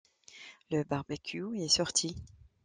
le barbecue est sorti